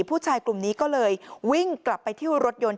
ผู้ชายกลุ่มนี้ก็เลยวิ่งกลับไปเที่ยวรถยนต์